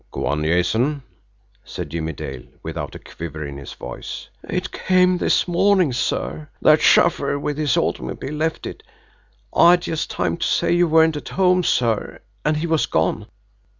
"Go on, Jason," said Jimmie Dale, without a quiver in his voice. "It came this morning, sir that shuffer with his automobile left it. I had just time to say you weren't at home, sir, and he was gone.